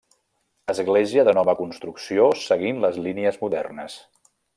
Església de nova construcció seguint les línies modernes.